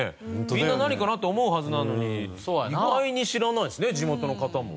みんな何かな？って思うはずなのに意外に知らないんですね地元の方も。